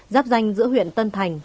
giáp danh giữa huyện tân thành